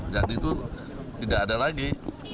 jadi itu tidak ada lagi